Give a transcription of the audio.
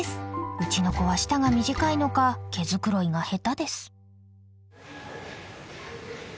うちの子は舌が短いのか毛繕いが下手です。